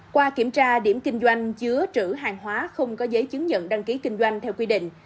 qua kiểm tra điểm kinh doanh chứa trữ hàng hóa không có giấy chứng nhận đăng ký kinh doanh theo quy định